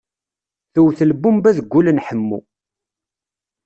Tewwet lbumba deg wul n Ḥemmu.